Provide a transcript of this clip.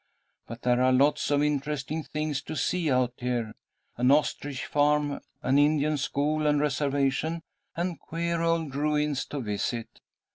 but there are lots of interesting things to see out here: an ostrich farm, an Indian school and reservation, and queer old ruins to visit.